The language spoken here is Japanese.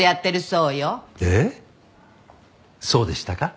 そうでしたか？